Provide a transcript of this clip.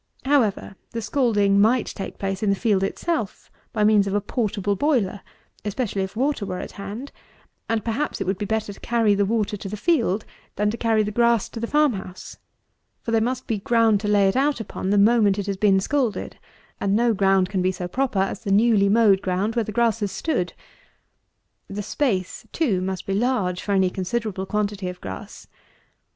However, the scalding might take place in the field itself, by means of a portable boiler, especially if water were at hand; and perhaps it would be better to carry the water to the field than to carry the grass to the farm house, for there must be ground to lay it out upon the moment it has been scalded, and no ground can be so proper as the newly mowed ground where the grass has stood. The space, too, must be large, for any considerable quantity of grass.